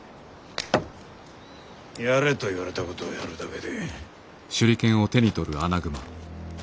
やれと言われたことをやるだけで。